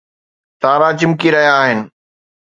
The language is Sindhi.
تارا چمڪي رهيا آهن